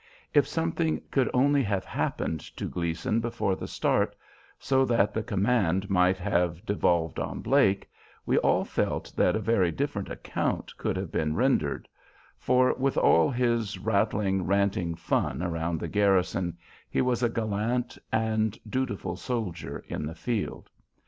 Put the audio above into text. If something could only have happened to Gleason before the start, so that the command might have devolved on Blake, we all felt that a very different account could have been rendered; for with all his rattling, ranting fun around the garrison, he was a gallant and dutiful soldier in the field.